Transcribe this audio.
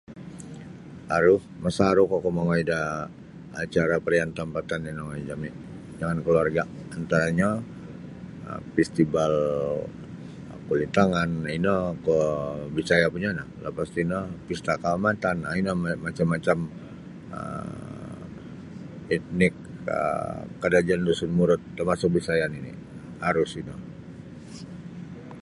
Aru masaruk oku mongoi da acara parayaan tampatan inongoi jami jangan kaluarga' antaranyo um festival kulintangan ino kuo Bisaya' mpunyo ino lapas tino pesta kaamatan um ino macam-macam um etnik um Kadazan Dusun Murut termasuk Bisaya' nini' aru sino.